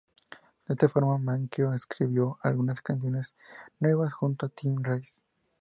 De esta forma, Menken escribió algunas canciones nuevas junto a Tim Rice.